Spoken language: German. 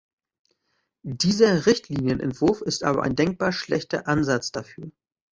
Dieser Richtlinienentwurf ist aber ein denkbar schlechter Ansatz dafür!